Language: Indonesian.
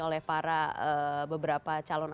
oleh para beberapa calon